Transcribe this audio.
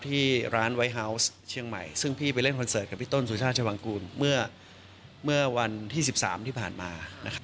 ที่ร้านเชียงใหม่ซึ่งพี่ไปเล่นคอนเสิร์ตกับพี่ต้นสุชาชวังกูลเมื่อเมื่อวันที่สิบสามที่ผ่านมานะครับ